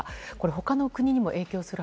他の国にも影響する